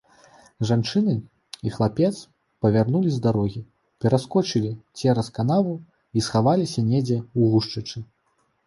Жанчыны і хлапец павярнулі з дарогі, пераскочылі цераз канаву і схаваліся недзе ў гушчэчы.